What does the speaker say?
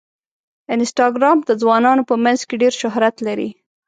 انسټاګرام د ځوانانو په منځ کې ډېر شهرت لري.